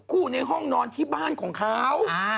คู่ในห้องนอนที่บ้านของเขา